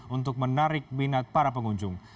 untuk menarik minat para pengunjung